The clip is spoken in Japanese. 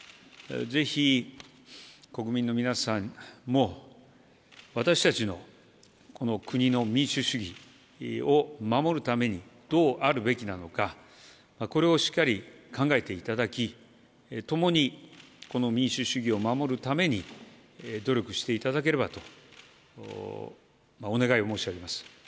ぜひ国民の皆さんも、私たちのこの国の民主主義を守るために、どうあるべきなのか、これをしっかり考えていただき、共にこの民主主義を守るために努力していただければとお願いを申し上げます。